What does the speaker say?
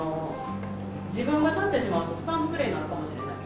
自分が立ってしまうと、スタンドプレーになるかもしれない。